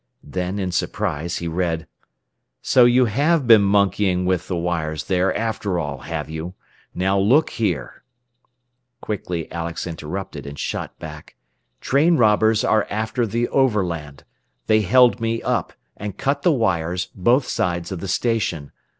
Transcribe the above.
Then, in surprise, he read: "So you have been monkeying with the wires there after all, have you? Now look here " Quickly Alex interrupted, and shot back: "Train robbers are after the Overland. They held me up, and cut the wires both sides of the station.